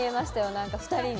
何か２人に。